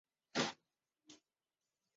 庄学和属毗陵庄氏第十二世。